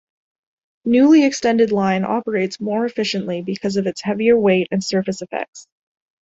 Newly extended line operates more efficiently because of its heavier weight and surface effects.